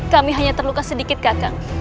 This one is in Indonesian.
kami hanya terluka sedikit kakak